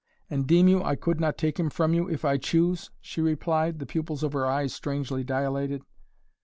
"And deem you I could not take him from you, if I choose?" she replied, the pupils of her eyes strangely dilated.